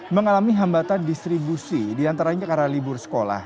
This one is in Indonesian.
mengalami hambatan distribusi diantaranya karena libur sekolah